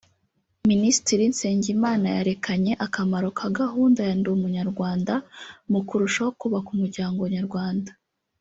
Minisitiri Nsengimana yarekanye akamaro ka gahunda ya “Ndi Umunyarwanda” mu kurushaho kubaka umuryango Nyarwanda